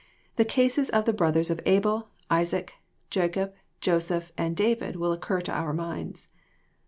The cases of the brothers of Abel, Isaac, Jacob, Joseph, and David will occur to our minds.